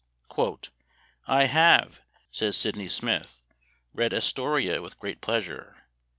"I have," says Sidney Smith, "read 'Astoria' with great pleasure.